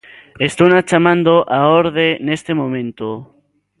Estouna chamando á orde neste momento.